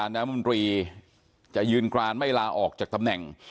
น้ำมนตรีจะยืนกรานไม่ลาออกจากตำแหน่ง